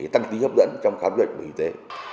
tăng tính hấp dẫn trong khám luận bảo hiểm y tế